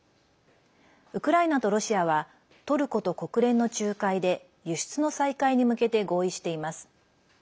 ウクライナとロシアはトルコと国連の仲介で輸出の再開に向けて合意しています。